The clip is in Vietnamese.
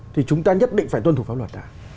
thì chúng ta nhất định phải tuân thủ pháp luật